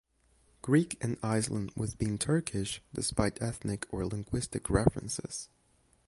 Greek, and Islam with being Turkish, despite ethnic or linguistic references.